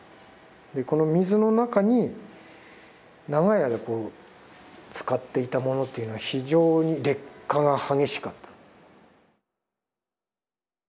この水の中に長い間つかっていたものというのは非常に劣化が激しかった。